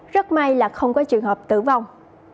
rất may là không có trường hợp tử vong